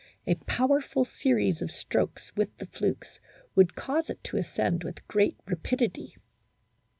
A powerful series of strokes with the flukes would cause it to ascend with great rapidity.